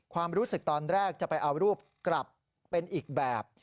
ความรู้สึกตอนแรกจะไปเอารูปกลับเป็นอีกแบบ